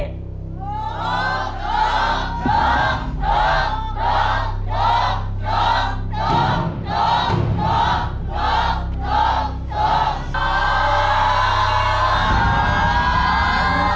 จกจกจก